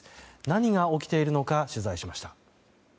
何が起きているのか取材しました。